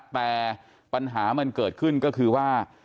แต่ปัญหามันเกิดขึ้นก็คือว่า